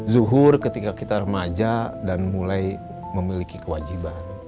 zuhur ketika kita remaja dan mulai memiliki kewajiban